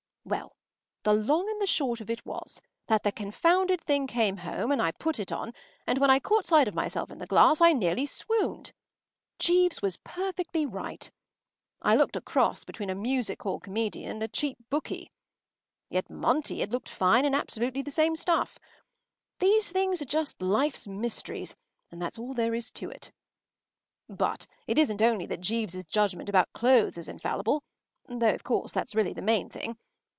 ” Well, the long and the short of it was that the confounded thing came home, and I put it on, and when I caught sight of myself in the glass I nearly swooned. Jeeves was perfectly right. I looked a cross between a music hall comedian and a cheap bookie. Yet Monty had looked fine in absolutely the same stuff. These things are just Life’s mysteries, and that’s all there is to it. But it isn’t only that Jeeves’s judgment about clothes is infallible, though, of course, that’s really the main thing.